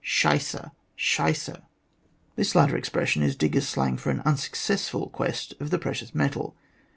'Shicer!' 'Shicer!'" This latter expression is diggers' slang for an unsuccessful quest of the precious metal.